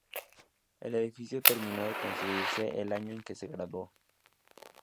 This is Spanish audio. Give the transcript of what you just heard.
El edificio terminó de construirse el año en que se graduó.